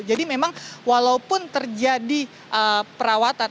jadi memang walaupun terjadi perawatan